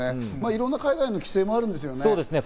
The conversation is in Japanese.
いろんな海外の規制もあるんですね。